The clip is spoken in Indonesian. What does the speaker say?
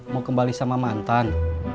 mau kembali sama mantan